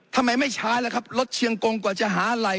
ทำไมไม่ช้าแล้วครับรถเชียงกงกว่าจะหาอะไร